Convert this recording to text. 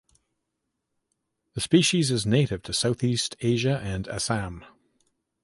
The species is native to Southeast Asia and Assam.